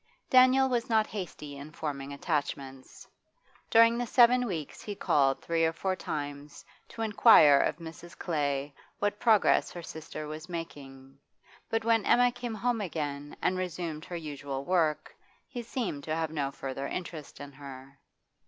Daniel was not hasty in forming attachments. During the seven weeks he called three or four times to inquire of Mrs. Clay what progress her sister was making, but when Emma came home again, and resumed her usual work, he seemed to have no further interest in her.